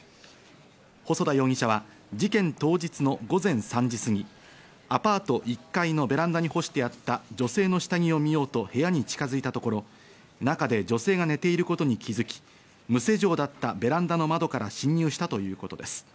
細田容疑者は事件当日の午前３時過ぎ、アパート１階のベランダに干してあった女性の下着を見ようと部屋に近づいたところ、中で女性が寝ていることに気づき、無施錠だったベランダの窓から侵入したということです。